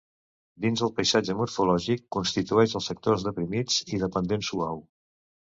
Dins el paisatge morfològic constitueix els sectors deprimits i de pendent suau.